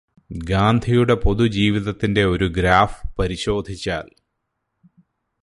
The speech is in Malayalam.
ഗാന്ധിയുടെ പൊതുജീവിതത്തിന്റെ ഒരു ഗ്രാഫ് പരിശോധിച്ചാല്